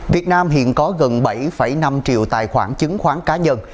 việt nam hiện có gần bảy năm triệu tài khoản chứng khoán cá nhân